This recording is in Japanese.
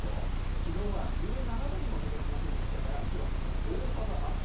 昨日は１７度にも届きませんでしたから今日は気温大幅アップ。